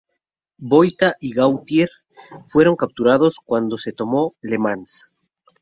Biota y Gautier fueron capturados cuando se tomó Le Mans.